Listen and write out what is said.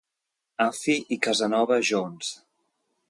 Afi i Casanova Jones.